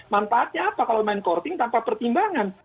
manfaatnya apa kalau main courting tanpa pertimbangan